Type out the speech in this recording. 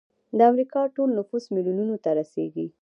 د امریکا ټول نفوس میلیونونو ته رسیږي.